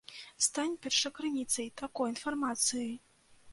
Стань першакрыніцай такой інфармацыі.